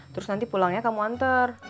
terus nanti pulangnya kamu antar